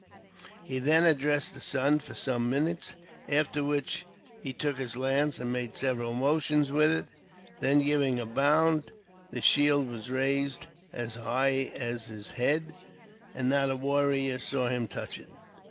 He then ad dressed the sun for some minutes, after which he took his lance and made several motions with it. Then, giving a bound, the shield was raised as high as his head, and not a warrior saw him touch it.